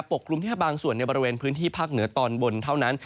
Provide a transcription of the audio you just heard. กลุ่มแค่บางส่วนในบริเวณพื้นที่ภาคเหนือตอนบนเท่านั้น